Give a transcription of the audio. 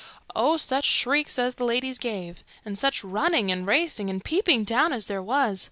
Oh, such shrieks as the ladies gave! and such running and racing and peeping down as there was!